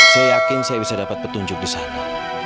saya yakin saya bisa dapat petunjuk di sana